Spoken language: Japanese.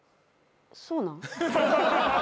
そうなん？